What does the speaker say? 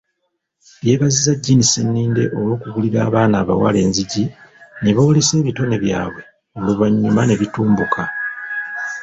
Yeebazizza Jean Sseninde olw'okuggulira abaana abawala enzigi ne boolesa ebitone byabwe oluvannyuma ne bitumbuka.